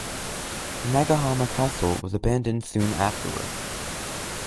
Nagahama Castle was abandoned soon afterwards.